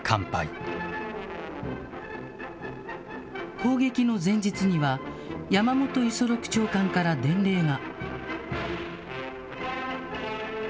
攻撃の前日には、山本五十六長官から電令が。